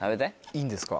いいんですか？